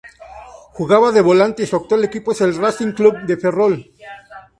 Juega de volante y su actual equipo es el Racing Club de Ferrol.